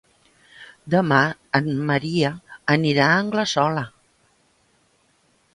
Demà en Maria anirà a Anglesola.